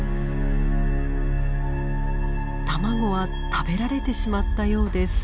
卵は食べられてしまったようです。